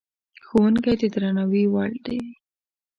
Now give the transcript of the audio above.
ښوونکی د درناوي وړ دی.